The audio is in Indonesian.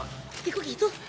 eh kok gitu